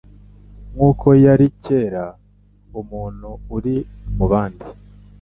nk'uko yari ari kera ari umuntu uri mu bandi.